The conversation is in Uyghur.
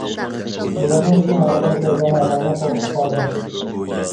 بۇلارنىڭ ئىچكەن ھارىقىنى كۆرگەن ئادەممۇ قورقۇپ قالىدۇ.